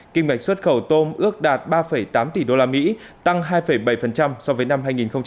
kim ngạch xuất khẩu tôm ước đạt ba tám tỷ usd tăng hai bảy so với năm hai nghìn một mươi tám